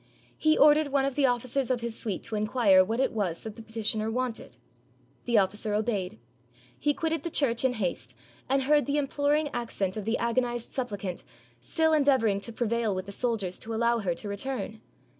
He ordered one of the ofl&cers of his suite to inquire what it was that the petitioner wanted. The officer obeyed; he quitted the church in haste, and heard the imploring accent of the agonized supplicant, still endeavoring to prevail with the soldiers to allow her to return.